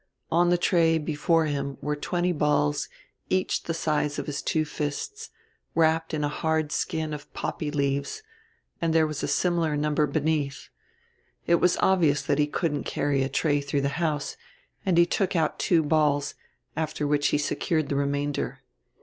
On the tray before him were twenty balls, each the size of his two fists, wrapped in a hard skin of poppy leaves, and there was a similar number beneath. It was obvious that he couldn't carry a tray through the house, and he took out two balls, after which he secured the remainder.